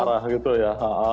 parah gitu ya